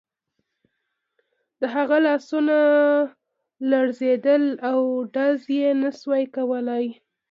د هغه لاسونه لړزېدل او ډز یې نه شو کولای